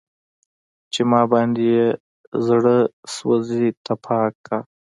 چې ما باندې يې زړه سيزي تپاک کا